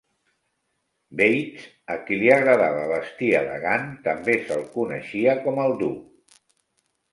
Bates, a qui li agradava vestir elegant, també se'l coneixia com "El duc".